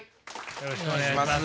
よろしくお願いします。